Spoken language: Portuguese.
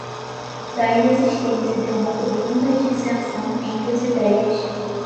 da inexistência de uma profunda dissenção entre as ideias